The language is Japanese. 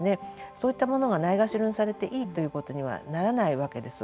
そういったものがないがしろにされていいということにはならないわけです。